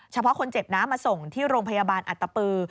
เฉพาะคนเจ็บนะมาส่งที่โรงพยาบาลอัตตปือ